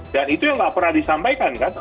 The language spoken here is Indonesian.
dan itu yang nggak pernah disampaikan kan